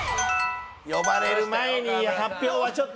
呼ばれる前に発表はちょっとねえ。